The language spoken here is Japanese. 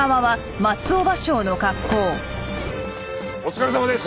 お疲れさまです！